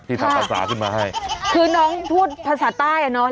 ที่ทำภาษาขึ้นมาให้ริกเหรอคะคุณซัลลินคือน้องพูดภาษาใต้อ่ะเนอะ